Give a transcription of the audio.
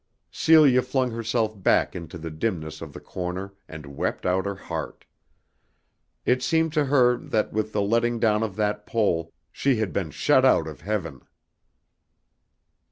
Celia flung herself back into the dimness of the corner and wept out her heart. It seemed to her that, with the letting down of that pole, she had been shut out of heaven.